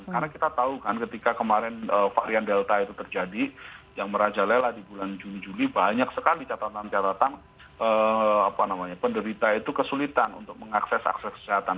karena kita tahu kan ketika kemarin varian delta itu terjadi yang merajalela di bulan juni juli banyak sekali catatan catatan penderita itu kesulitan untuk mengakses akses kesehatan